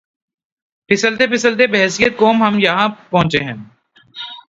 پھسلتے پھسلتے بحیثیت قوم ہم یہاں پہنچے ہیں۔